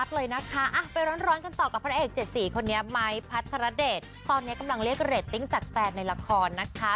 ตอนนี้กำลังเรียกเรทติ้งจากแฟนในละครนะคะ